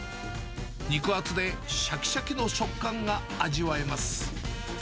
肉厚でしゃきしゃきの食感が味わえます。